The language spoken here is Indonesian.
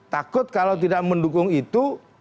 takut kalau tidak mendukung itu